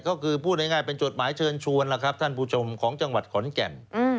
ก็คือพูดง่ายเป็นจดหมายเชิญชวนแล้วครับท่านผู้ชมของจังหวัดขอนแก่น